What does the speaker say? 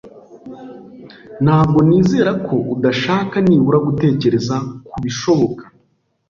Ntabwo nizera ko udashaka nibura gutekereza ku bishoboka